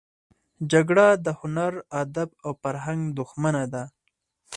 جګړه د هنر، ادب او فرهنګ دښمنه ده